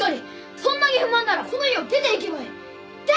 そんなに不満ならこの家を出ていけばいい。